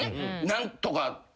何とか。